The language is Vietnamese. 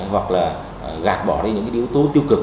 hoặc là gạt bỏ đi những cái yếu tố tiêu cực